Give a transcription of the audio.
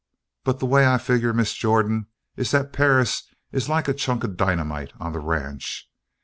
But the way I figure, Miss Jordan, is that Perris is like a chunk of dynamite on the ranch.